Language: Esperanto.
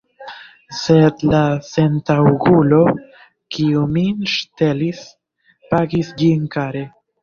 Sed la sentaŭgulo, kiu min ŝtelis, pagis ĝin kare.